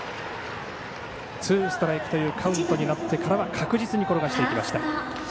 ツーストライクというカウントになってからは確実に転がしていきました。